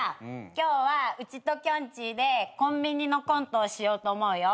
今日はうちときょんちぃでコンビニのコントをしようと思うよ。